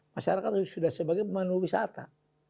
masyarakat sudah sebagai pemandu wisata